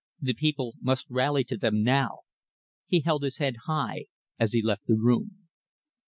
The people must rally to them now. He held his head high as he left the room.